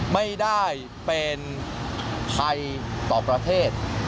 ไม่ได้เป็นภัยต่อประเทศ